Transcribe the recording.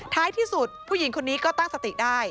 ท้ายที่สุดผู้หญิงคนนี้ก็ตั้งสติได้